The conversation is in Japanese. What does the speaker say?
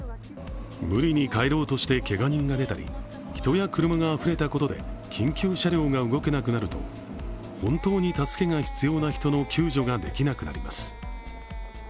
無理に帰ろうとしてけが人が出たり人や車があふれたことで緊急車両が動けなくなると本当に助けが必要な人の救助ができなくなります。